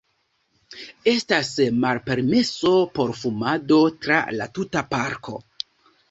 Estas malpermeso por fumado tra la tuta parko.